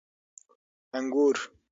🍇 انګور